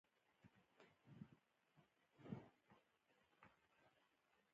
زه مطالعه خوښوم.